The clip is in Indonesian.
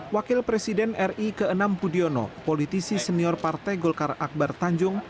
wakil presiden ri ke enam budiono politisi senior partai golkar akbar tanjung